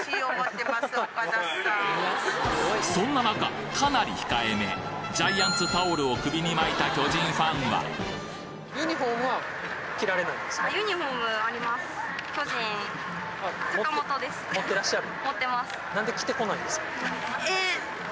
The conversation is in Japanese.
そんな中かなり控えめジャイアンツタオルを首に巻いた持ってらっしゃる？